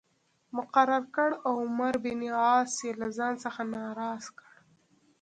مقرر کړ او عمرو بن عاص یې له ځان څخه ناراض کړ.